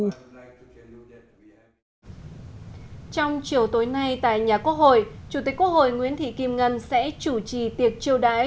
trong chiều tối nay tại nhà quốc hội chủ tịch quốc hội nguyễn thị kim ngân sẽ chủ trì tiệc triều đái